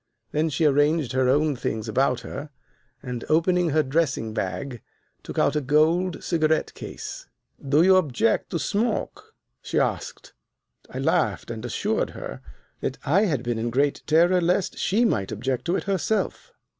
Then she arranged her own things about her, and, opening her dressing bag, took out a gold cigarette case. "'Do you object to smoke?' she asked. "I laughed and assured her I had been in great terror lest she might object to it herself.